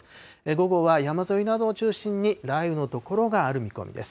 午後は山沿いなどを中心に、雷雨の所がある見込みです。